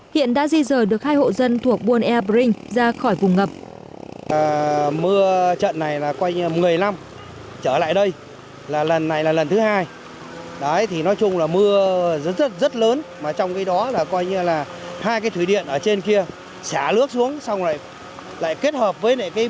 hiện đã di rời được hai hộ dân thuộc buôn ea brinh ra khỏi vùng ngập